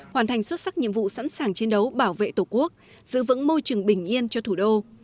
hoàn thành xuất sắc nhiệm vụ sẵn sàng chiến đấu bảo vệ tổ quốc giữ vững môi trường bình yên cho thủ đô